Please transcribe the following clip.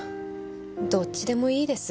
どっちでもいいです。